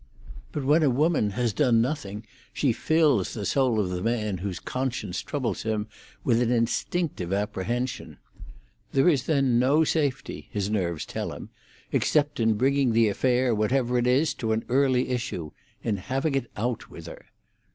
But when a woman has done nothing she fills the soul of the man whose conscience troubles him with an instinctive apprehension. There is then no safety, his nerves tell him, except in bringing the affair, whatever it is, to an early issue—in having it out with her.